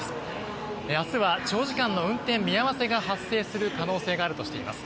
明日は長時間の運転見合わせが発生する可能性があるとしています。